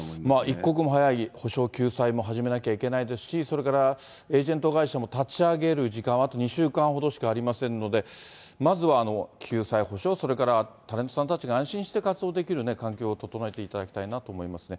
一刻も早い補償、救済も始めなきゃいけないですし、それからエージェント会社も立ち上げる時間はあと２週間ほどしかありませんので、まずは救済補償、それからタレントさんたちが安心して活動できる環境を整えていただきたいなと思いますね。